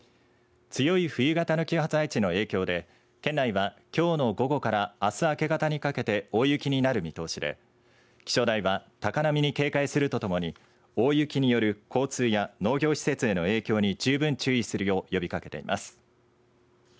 強い冬型の気圧配置の影響で県内は、きょうの午後からあす明け方にかけて大雪になる見通しで気象台は高波に警戒するとともに大雪による交通や農業施設への影響に十分注意するよう呼びかけています。